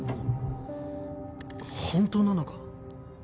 本当なのか？